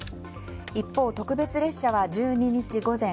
一方、特別列車は１２日午前